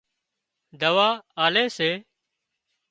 دوا آلي سي